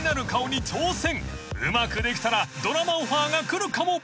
［うまくできたらドラマオファーが来るかも］